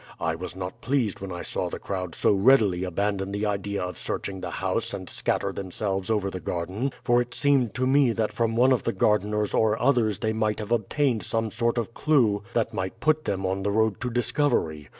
I was not pleased when I saw the crowd so readily abandon the idea of searching the house and scatter themselves over the garden, for it seemed to me that from one of the gardeners or others they might have obtained some sort of clew that might put them on the road to discovery.